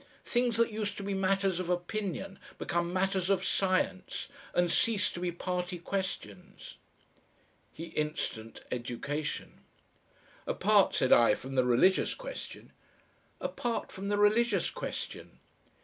Things that used to be matters of opinion become matters of science and cease to be party questions." He instanced education. "Apart," said I, "from the religious question." "Apart from the religious question."